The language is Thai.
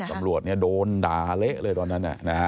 ตำรวจโดนด่าเละเลยตอนนั้น